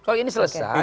kalau ini selesai